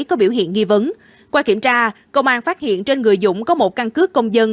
có biểu hiện nghi vấn qua kiểm tra công an phát hiện trên người dũng có một căn cước công dân